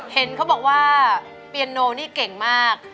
เห็นเขาบอกว่าปีโอนโเนอลนี่เก่งมาก